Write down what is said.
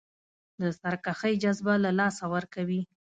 د سرکښۍ جذبه له لاسه ورکوي.